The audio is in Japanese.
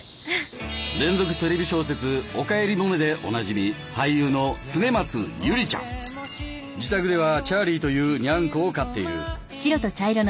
連続テレビ小説「おかえりモネ」でおなじみ自宅ではチャーリーというニャンコを飼っている。